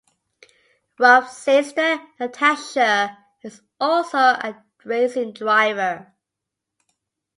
Ralph's sister, Natasha, is also a racing driver.